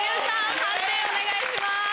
判定お願いします。